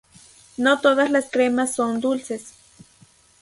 No todas las cremas son dulces.